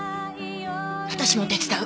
私も手伝う！